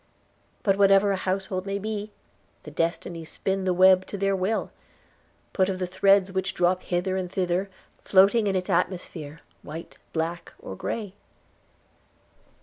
But whatever a household may be, the Destinies spin the web to their will, put of the threads which drop hither and thither, floating in its atmosphere, white, black, or gray.